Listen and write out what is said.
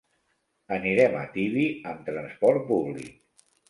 Anirem a Tibi amb transport públic.